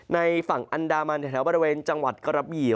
ในฝั่งอันดามันแถวบริเวณจังหวัดกระบี่